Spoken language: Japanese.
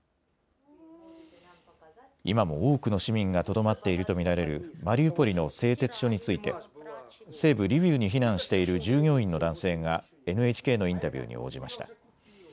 今も多くの市民がとどまっていると見られるマリウポリの製鉄所について西部リビウに避難している従業員の男性がＮＨＫのインタビューに応じました。